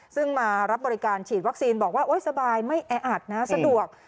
ซึ่งมารับบริการฉีดวัคซีนบอกว่าโอ๊ยสบายไม่แออัดนะสะดวก